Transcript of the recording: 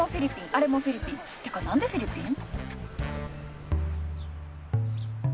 あれもフィリピンてか何でフィリピン？